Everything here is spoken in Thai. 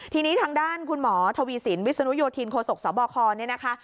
ทีนี้ทางด้านคุณหมอทวีสินวิศนุโยธินโคศกสบคเนี่ยนะคะ